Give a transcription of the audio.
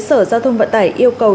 sở giao thông vận tải yêu cầu